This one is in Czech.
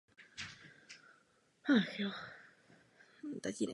Výuka náboženství probíhá na faře.